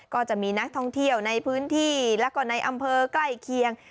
ก็จะมีนักท่องเที่ยวในพื้นที่แล้วก็ในอำเภอใกล้เคียง